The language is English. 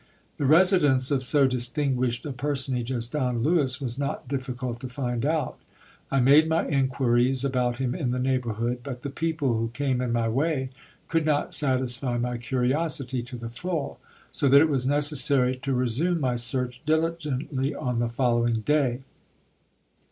The residence of so distinguished a personage as Don Lewis w:.s not difficult to find out. I made my enquiries about him in the neighbour hood, but the people who came in my way could not satisfy my curiosity to the full, so that it was necessary to resume my search diligently on the following day.